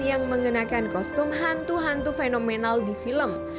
yang mengenakan kostum hantu hantu fenomenal di film